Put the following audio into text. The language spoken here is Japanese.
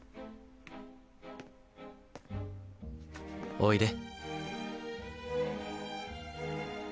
おいで。